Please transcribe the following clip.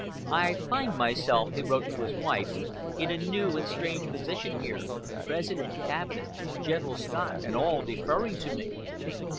"I find myself," he wrote to his wife, "in a new and strange position here, President, cabinet, General Scott, and all, deferring to me.